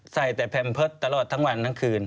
ใส่แต่แพลมเพิสทั้งวันทั้งคืน